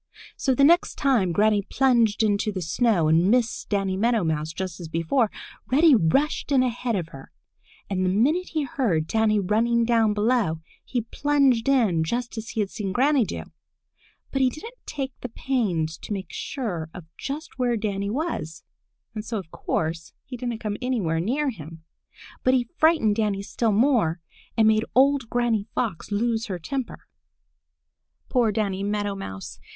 So the next time Granny plunged into the snow and missed Danny Meadow Mouse just as before, Reddy rushed in ahead of her, and the minute he heard Danny running down below, he plunged in just as he had seen Granny do. But he didn't take the pains to make sure of just where Danny was, and so of course he didn't come anywhere near him. But he frightened Danny still more and made old Granny Fox lose her temper. Poor Danny Meadow Mouse!